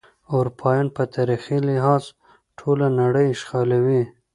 اروپایان په تاریخي لحاظ ټوله نړۍ اشغالوي.